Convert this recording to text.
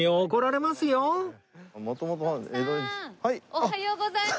おはようございます。